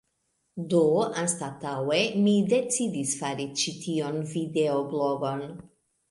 Do, anstataŭe mi decidis fari ĉi tiun videoblogon